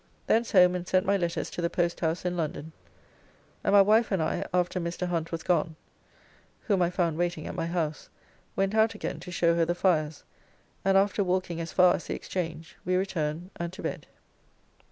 Thence home and sent my letters to the posthouse in London, and my wife and I (after Mr. Hunt was gone, whom I found waiting at my house) went out again to show her the fires, and after walking as far as the Exchange we returned and to bed.